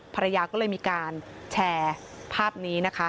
ภรรยาก็เลยมีการแชร์ภาพนี้นะคะ